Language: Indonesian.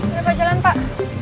ya pak jalan pak